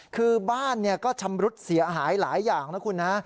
คือบ้านก็ชำรุดเสียหายหลายอย่างนะคุณนะ